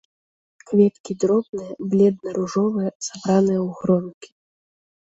Кветкі дробныя, бледна-ружовыя, сабраныя ў гронкі.